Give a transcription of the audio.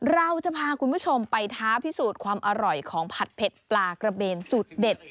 เราจะพาคุณผู้ชมไปท้าพิสูจน์ความอร่อยของผัดเผ็ดปลากระเบนสูตรเด็ด